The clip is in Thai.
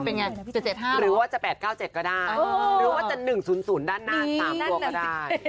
เป็นไง๗๗๕หรือว่าจะ๘๙๗ก็ได้หรือว่าจะ๑๐๐ด้านหน้า๓ตัวก็ได้